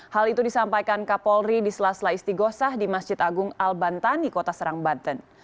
hal itu disampaikan kapolri di selasla istigosah di masjid agung al bantan di kota serang banten